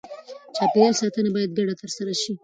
چاپېریال ساتنه باید ګډه ترسره شي.